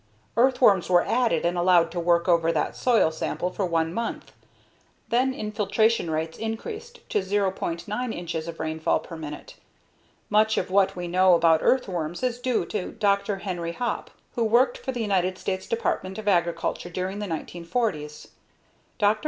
Earthworms were added and allowed to work over that soil sample for one month. Then, infiltration rates increased to 0.9 inches of rainfall per minute. Much of what we know about earthworms is due to Dr. Henry Hopp who worked for the United States Department of Agriculture during the 1940s. Dr.